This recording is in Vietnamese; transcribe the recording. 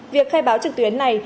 việc khai báo trực tuyến này